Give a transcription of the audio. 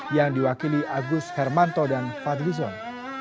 yang diwakili agus hermanto dan fadlizon